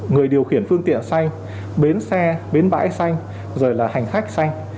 người điều khiển phương tiện xanh bến xe bến bãi xanh rồi là hành khách xanh